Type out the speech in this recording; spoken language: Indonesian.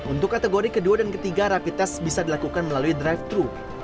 untuk kategori kedua dan ketiga rapi tes bisa dilakukan melalui drive thru